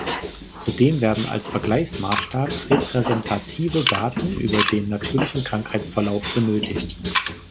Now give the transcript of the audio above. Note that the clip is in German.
Zudem werden als Vergleichsmaßstab repräsentative Daten über den natürlichen Krankheitsverlauf benötigt.